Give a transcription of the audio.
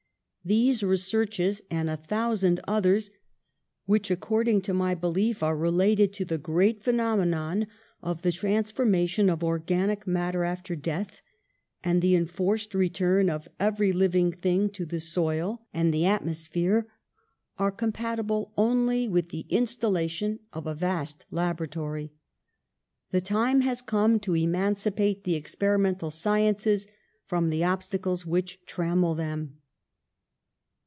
"These researches and a thousand others, which, according to my belief, are related to the great phenomenon of the transformation of or ganic matter after death and the enforced re turn of every living thing to the soil and the 94 PASTEUR atmosphere, are compatible only with the in stallation of a vast laboratory. The time has come to emancipate the experimental sciences from the obstacles which trammel them.''